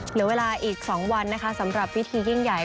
เหลือเวลาอีก๒วันนะคะสำหรับพิธียิ่งใหญ่